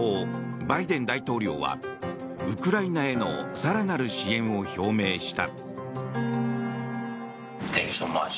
バイデン大統領はウクライナへの更なる支援を表明した。